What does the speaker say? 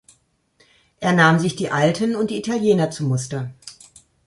Er nahm sich die Alten und die Italiener zum Muster.